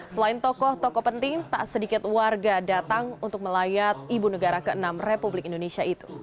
selain tokoh tokoh penting tak sedikit warga datang untuk melayat ibu negara ke enam republik indonesia itu